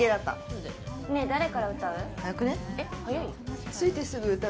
誰から歌う？